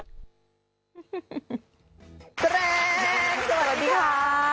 สวัสดีค่ะ